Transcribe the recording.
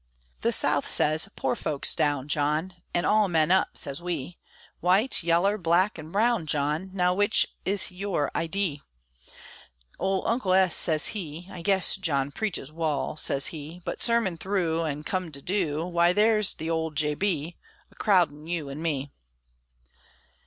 The South says, "Poor folks down!" John, An' "All men up!" say we, White, yaller, black, an' brown, John: Now which is your idee? Ole Uncle S. sez he, "I guess John preaches wal," sez he; "But, sermon thru, an' come to du, Why, there's the old J. B. A crowdin' you an' me!"